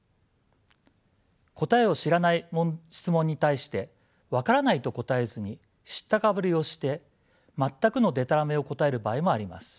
答えを知らない質問に対して分からないと答えずに知ったかぶりをして全くのでたらめを答える場合もあります。